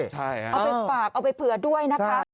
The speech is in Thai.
เอาไปฝากเอาไปเผื่อด้วยนะคะ